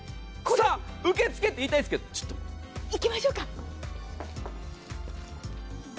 受け付け！と言いたいですがちょっと、行きましょうか。